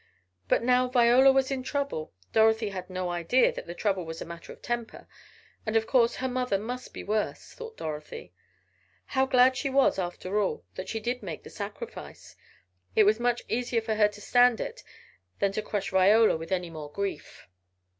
But now Viola was in trouble Dorothy had no idea that the trouble was a matter of temper, and of course her mother must be worse, thought Dorothy. How glad she was, after all, that she did make the sacrifice! It was much easier for her to stand it than to crush Viola with any more grief!